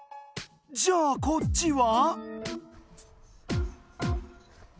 じゃあこっちは？